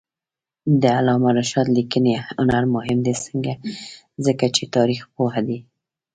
د علامه رشاد لیکنی هنر مهم دی ځکه چې تاریخپوه دی.